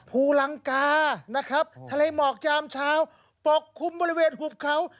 ภูลังกาทะเลหมอกจามเช้าปกคุมบริเวณหุบเขา